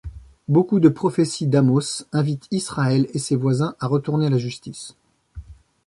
Beaucoup de prophéties d'Amos invitent Israël et ses voisins à retourner à la justice.